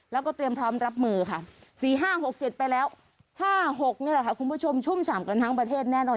แล้วก็เตรียมพร้อมรับมือค่ะ๔๕๖๗ไปแล้ว๕๖นี่แหละค่ะคุณผู้ชมชุ่มฉ่ำกันทั้งประเทศแน่นอน